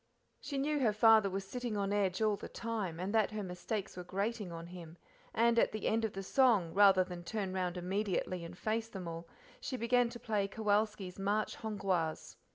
She knew her father was sitting on edge all the time, and that her mistakes were grating on him, and at the end of the song, rather than turn round immediately and face them all, she began to play Kowalski's March Hongroise.